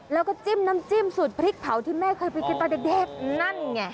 แล้วก็จิ้มน้ำจิ้มสูตรพริกเผาที่แม่เคยไปกินตอนเด็กนั่นไง